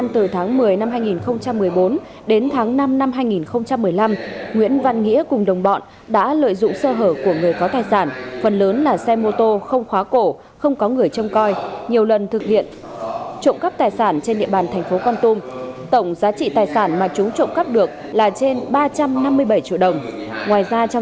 từ tháng bảy đến tháng chín năm hai nghìn một mươi sáu trên địa bàn xã xuân hải thị xã sông cầu liên tiếp xảy ra các vụ trộm cắp tài sản